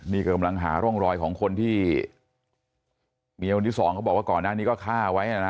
นี่กำลังหาร่องรอยของคนที่เมียคนที่สองเขาบอกว่าก่อนหน้านี้ก็ฆ่าไว้นะ